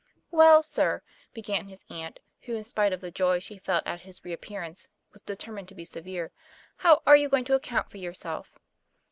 "Well, sir," began his aunt, who, in spite of the joy she felt at his reappearance, was determined to be severe, " how are you going to account for your self?"